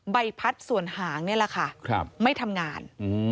ใบพัดส่วนหางนี่แหละค่ะไม่ทำงาน